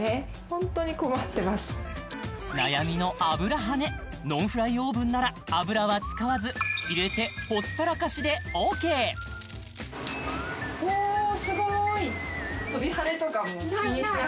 悩みの油ハネノンフライオーブンなら油は使わず入れてほったらかしでＯＫおおすごい！